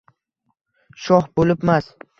Shoh bo’libmas